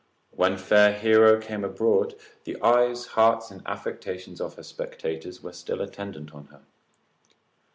When fair Hero came abroad, the eyes, hearts, and affections of her spectators were still attendant on her.